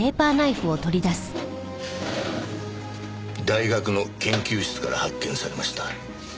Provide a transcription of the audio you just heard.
大学の研究室から発見されました。